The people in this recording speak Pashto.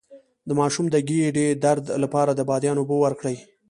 د ماشوم د ګیډې درد لپاره د بادیان اوبه ورکړئ